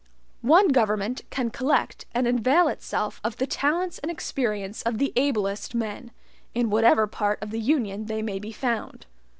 One government can collect and avail itself of the talents and experience of the ablest men, in whatever part of the Union they may be found.